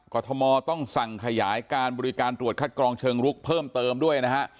กรทมต้องสั่งขยายการบริการตรวจคัดกรองเชิงลุกเพิ่มเติมด้วยนะฮะ